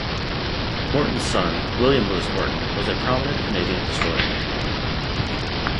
Morton's son, William Lewis Morton, was a prominent Canadian historian.